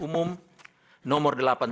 yang dianggap dibacakan